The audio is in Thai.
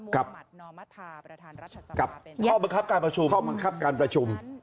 กับข้อบังคับการประชุม